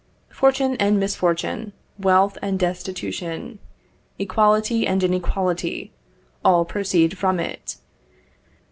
Fortune and misfortune, wealth and destitution, equality and inequality, all proceed from it.